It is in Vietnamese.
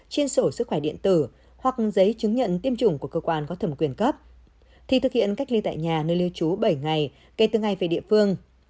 trên sổ sức khỏe điện tử hoặc giấy chứng nhận tiêm chủng của cơ quan có thẩm quyền cấp thì thực hiện cách ly tại nhà nơi lưu trú bảy ngày kể từ ngày về địa phương